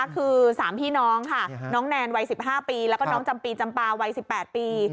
คือ๓พี่น้องค่ะน้องแนนวัย๑๕ปีแล้วก็น้องจำปีจำปาวัย๑๘ปี